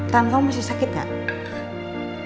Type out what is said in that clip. tan kamu masih sakit gak